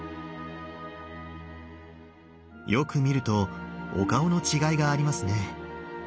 よく見るとお顔の違いがありますね。